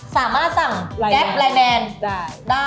สามารถสั่งแก๊ปแรงแดนได้ใช่ไหมครับแม่